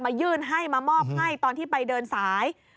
ยื่นให้มามอบให้ตอนที่ไปเดินสาย